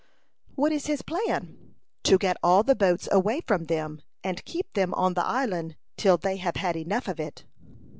"What is his plan?" "To get all the boats away from them, and keep them on the island till they have had enough of it."